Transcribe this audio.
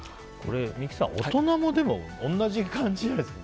三木さん、でも大人も同じ感じじゃないですか。